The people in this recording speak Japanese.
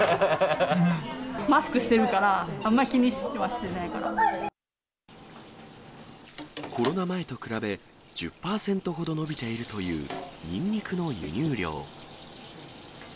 マスクしてるから、あんま気コロナ前と比べ、１０％ほど伸びているという、ニンニクの輸入量。